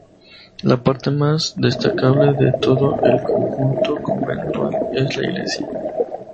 La parte más destacable de todo el conjunto conventual es la iglesia.